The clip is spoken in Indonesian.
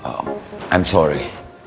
tidak ada yang bisa dipercayai